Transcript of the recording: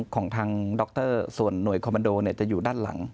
ของทางดรส่วนหน่วยคอมมันโดจะอยู่ด้านหลัง